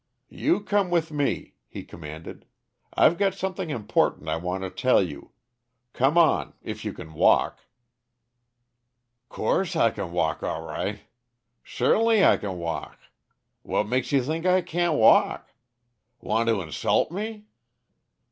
"You come with me," he commanded. "I've got something important I want to tell you. Come on if you can walk." "'Course I c'n walk all righ'. Shertainly I can walk. Wha's makes you think I can't walk? Want to inshult me?